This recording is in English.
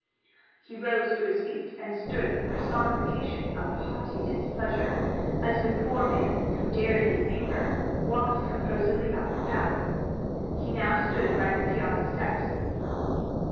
He rose to his feet, and stood the personification of haughty displeasure, as the poor man who dared his anger walked composedly up the path. He now stood by the piazza steps.